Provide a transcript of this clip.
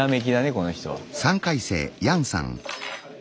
この人は。